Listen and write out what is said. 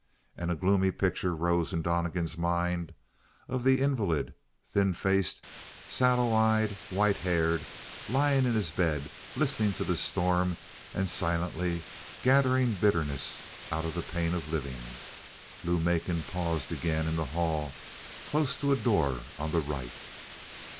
And a gloomy picture rose in Donnegan's mind of the invalid, thin faced, sallow eyed, white haired, lying in his bed listening to the storm and silently gathering bitterness out of the pain of living. Lou Macon paused again in the hall, close to a door on the right.